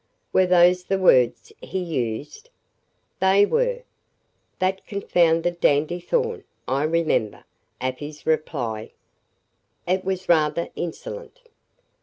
"Were those the words he used?" "They were; 'that confounded dandy Thorn.' I remember Afy's reply it was rather insolent.